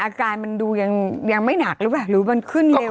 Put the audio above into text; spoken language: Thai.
อาการมันดูยังไม่หนักหรือมันขึ้นเร็ว